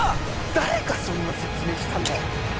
誰がそんな説明したんだよ」